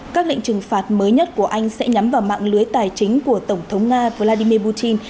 các lệnh trừng phạt mới nhất của anh sẽ nhắm vào mạng lưới tài chính của tổng thống nga vladimir putin